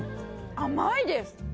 甘いです。